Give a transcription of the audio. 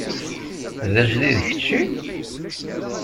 D ajdid kečči?